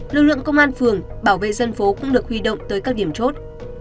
lực lượng công an phường bảo vệ dân phố cũng được huy động tới các điểm chốt